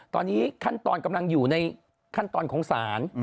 ตอนนี้ขั้นตอนกำลังอยู่ในขั้นตอนของศาล